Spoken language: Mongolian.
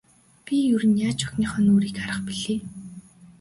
Би ер нь яаж охиныхоо нүүрийг харах билээ.